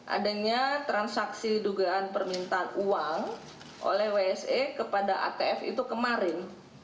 adanya transaksi dugaan permintaan uang oleh wse kepada atf itu kemarin